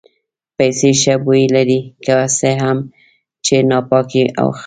پیسې ښه بوی لري که څه هم چې ناپاکې او چټلې وي.